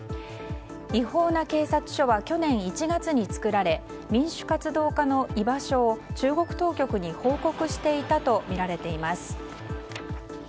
違法な警察署は去年１月に作られ民主活動家の居場所を中国当局に報告していたとみられています。